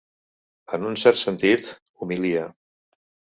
En un cert sentit, humilia.